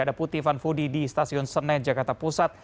ada puti fanfudi di stasiun senen jakarta pusat